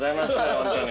本当に。